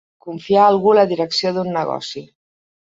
Confiar a algú la direcció d'un negoci.